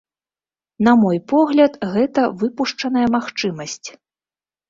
На мой погляд, гэта выпушчаная магчымасць.